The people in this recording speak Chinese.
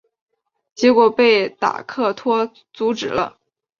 结果被达克托阻止了。